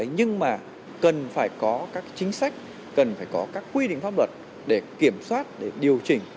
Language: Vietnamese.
nhưng mà cần phải có các chính sách cần phải có các quy định pháp luật để kiểm soát để điều chỉnh